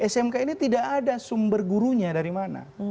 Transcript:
smk ini tidak ada sumber gurunya dari mana